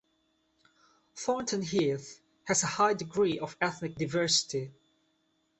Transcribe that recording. Thornton Heath has a high degree of ethnic diversity.